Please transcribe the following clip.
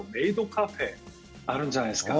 カフェあるじゃないですか。